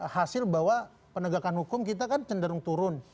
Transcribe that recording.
hasil bahwa penegakan hukum kita kan cenderung turun